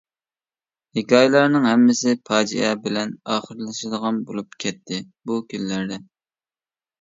ھېكايىلەرنىڭ ھەممىسى پاجىئە بىلەن ئاخىرلىشىدىغان بولۇپ كەتتى بۇ كۈنلەردە.